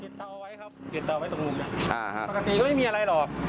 ติดเตาไว้ครับติดเตาไว้ตรงนู้นเนี่ยปกติก็ไม่มีอะไรหรอก